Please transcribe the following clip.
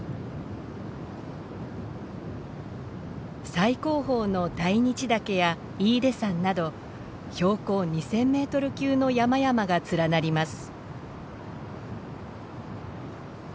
最高峰の大日岳や飯豊山など標高２，０００メートル級の山々が連なります。